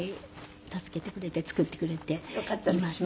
助けてくれて作ってくれています。